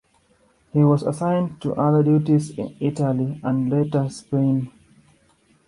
He was assigned to other duties in Italy and, later, Spain.